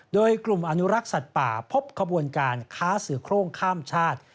โดยกลุ่มอนุรักษ์สัตว์ป่าพบขบวนการค้าเสือโครงข้ามชาติ